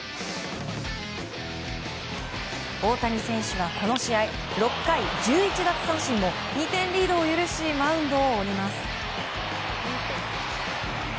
大谷選手は、この試合６回１１奪三振も２点リードを許しマウンドを降ります。